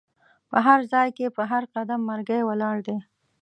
په هرځای په هر قدم مرګی ولاړ دی